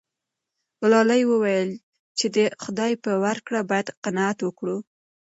ګلالۍ وویل چې د خدای په ورکړه باید قناعت وکړو.